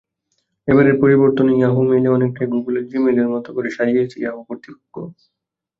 এবারের পরিবর্তনে ইয়াহু মেইলে অনেকটাই গুগলের জিমেইলের মতো করে সাজিয়েছে ইয়াহু কর্তৃপক্ষ।